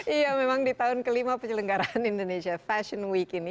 iya memang di tahun kelima penyelenggaraan indonesia fashion week ini